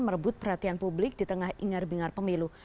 merebut perhatian publik di tengah ingar bingar pemilu